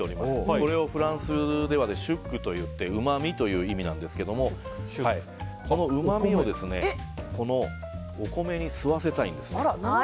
これをフランスではシュックといってうまみという意味なんですがこのうまみをお米に吸わせたいんです。